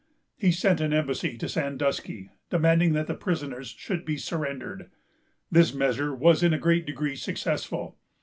He sent an embassy to Sandusky, demanding that the prisoners should be surrendered. This measure was in a great degree successful.